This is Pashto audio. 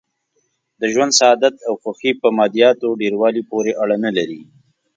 د ژوند سعادت او خوښي په مادیاتو ډېر والي پورې اړه نه لري.